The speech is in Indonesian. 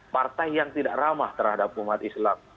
partai yang tidak ramah terhadap umat islam